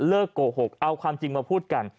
โกหกเอาความจริงมาพูดกัน